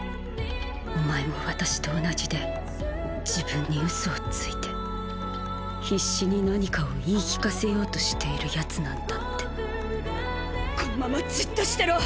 お前も私と同じで自分に嘘をついて必死に何かを言い聞かせようとしているヤツなんだってこのままじっとしてろ。